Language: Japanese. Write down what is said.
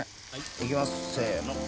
いきますせの！